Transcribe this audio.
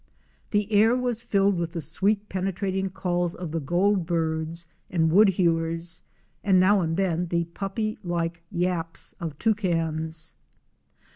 The air was filled with the sweet penetrating calls of the Goldbirds "° and Woodhewers and now and then the puppy like yaps of Toucans.